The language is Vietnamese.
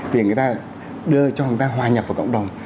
để người ta đưa cho người ta hòa nhập vào cộng đồng